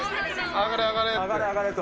上がれ上がれと。